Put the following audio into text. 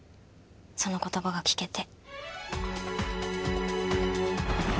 その言葉が聞けて。